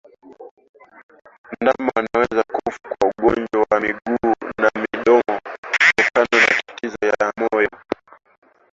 Ndama wanaweza kufa kwa ugonjwa wa miguu na midomo kutokana na matatizo ya moyo